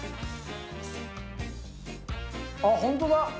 あっ、本当だ。